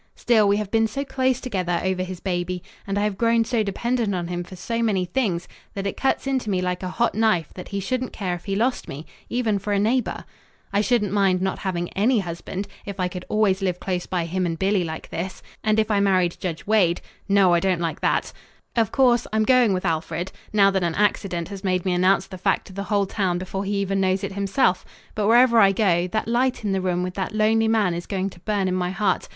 Still, we have been so close together over his baby, and I have grown so dependent on him for so many things, that it cuts into me like a hot knife that he shouldn't care if he lost me even for a neighbour. I shouldn't mind not having any husband if I could always live close by him and Billy like this, and if I married Judge Wade no, I don't like that! Of course, I'm going with Alfred, now that an accident has made me announce the fact to the whole town before he even knows it himself, but wherever I go, that light in the room with that lonely man is going to burn in my heart.